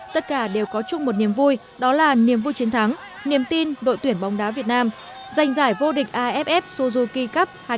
tất cả đều có chung một niềm vui đó là niềm vui chiến thắng niềm tin đội tuyển bóng đá việt nam giành giải vô địch aff suzuki cup hai nghìn một mươi